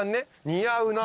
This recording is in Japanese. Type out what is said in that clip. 似合うな。